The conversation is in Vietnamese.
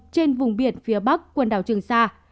trên vùng biển phía bắc quần đảo trường sa